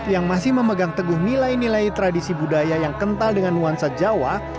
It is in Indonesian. yang masih memegang teguh nilai nilai tradisi budaya yang kental dengan nuansa jawa